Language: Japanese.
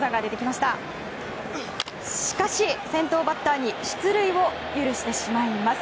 しかし、先頭バッターに出塁を許してしまいます。